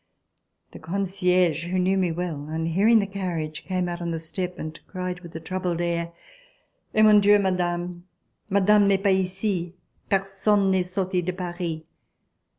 The con cierge, who knew me well, on hearing the carriage came out on the step and cried with a troubled air: "Eh! mon Dieu, madame! Madame n'est pas ici. Personne n'est sorti de Paris.